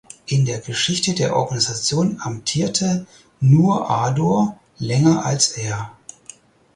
In der Geschichte der Organisation amtierte nur Ador länger als er.